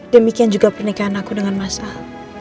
demikian juga pernikahan aku dengan mas al